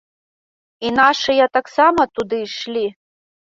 І нашыя таксама туды ішлі.